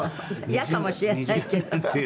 イヤかもしれないけど」